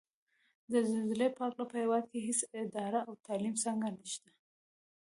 د زلزلې په هکله په هېواد کې هېڅ اداره او تعلیمي څانګه نشته ده